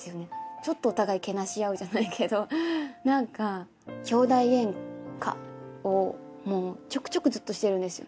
ちょっとお互いけなし合うじゃないけど何か兄弟ゲンカをちょくちょくずっとしてるんですよ